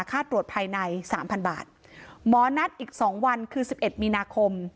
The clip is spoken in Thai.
ค่าตรวจภายใน๓๐๐๐บาทม้อนัดอีก๒วันคือ๑๑มีนาคม